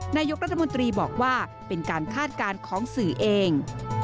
นายกรัฐมนตรีบอกว่าเป็นการคาดการณ์ของสื่อเอง